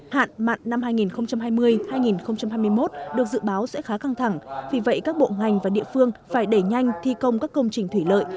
hạn mặn năm hai nghìn hai mươi hai nghìn hai mươi một được dự báo sẽ khá căng thẳng vì vậy các bộ ngành và địa phương phải đẩy nhanh thi công các công trình thủy lợi